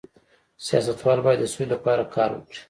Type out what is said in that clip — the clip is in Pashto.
سیاستوال باید د سولې لپاره کار وکړي